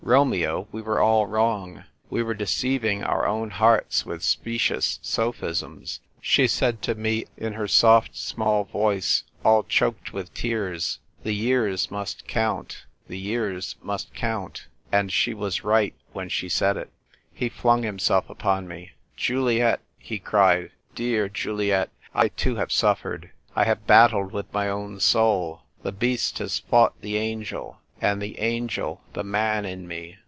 Romeo, we were all wrong. We were deceiving our own hearts with specious sophisms. She said to me in her soft small voice, all choked with tears, ' The years must count ; the years must count !'— and — she was right when she said it !" He flung himsell upon me. " Juliet !" he cried, "dear Juliet, I too have suffered. I have battled with my own soul. The beast has fought the angel and the angel the man in me.